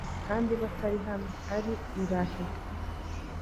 kandi batari hamwe, ari i Lahe,